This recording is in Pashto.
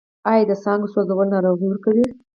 آیا د څانګو سوځول ناروغۍ ورکوي؟